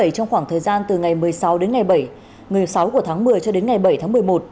trong khoảng thời gian từ ngày một mươi sáu đến ngày một mươi sáu của tháng một mươi cho đến ngày bảy tháng một mươi một